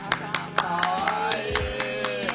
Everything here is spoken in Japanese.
かわいい。